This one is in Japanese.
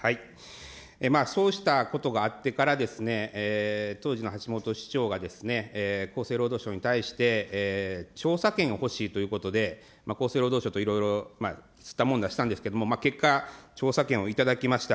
そうしたことがあってから、当時の橋下市長が厚生労働省に対して、調査権が欲しいということで、厚生労働省といろいろすったもんだしたんですけれども、結果、調査権を頂きました。